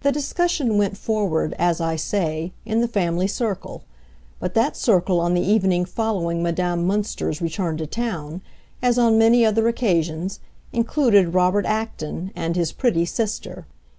The discussion went forward, as I say, in the family circle; but that circle on the evening following Madame Münster's return to town, as on many other occasions, included Robert Acton and his pretty sister.